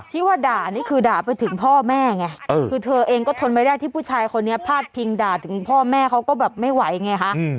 ที่ว่าด่านี่คือด่าไปถึงพ่อแม่ไงคือเธอเองก็ทนไม่ได้ที่ผู้ชายคนนี้พาดพิงด่าถึงพ่อแม่เขาก็แบบไม่ไหวไงคะ